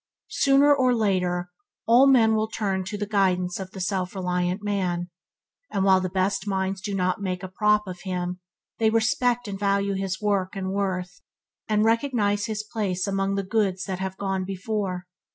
Sooner or later all men will turn or guidance to the self reliant man, and while the best minds do not make a prop of him, they respect and value his work and worth, and recognize his place among the goods that have gone before.